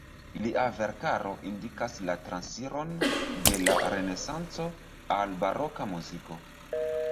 Lia verkaro indikas la transiron de la renesanco al baroka muziko.